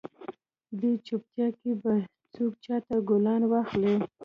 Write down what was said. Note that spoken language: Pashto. دې چوپیتا کې به څوک چاته ګلان واخلي؟